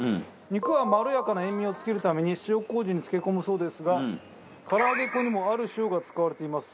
肉はまろやかな塩味を付けるために塩麹に漬け込むそうですが唐揚げ粉にもある塩が使われています。